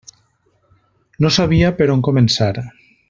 No sabia per on començar.